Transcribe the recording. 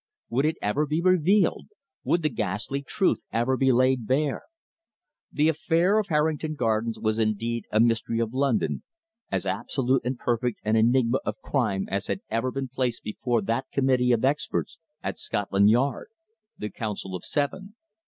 Would it ever be revealed? Would the ghastly truth ever be laid bare? The affair of Harrington Gardens was indeed a mystery of London as absolute and perfect an enigma of crime as had ever been placed before that committee of experts at Scotland Yard the Council of Seven.